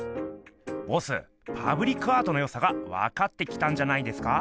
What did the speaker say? ボスパブリックアートのよさがわかってきたんじゃないですか。